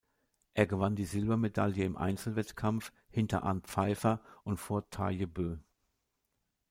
Er gewann die Silbermedaille im Einzelwettkampf hinter Arnd Peiffer und vor Tarjei Bø.